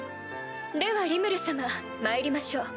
ではリムル様まいりましょう。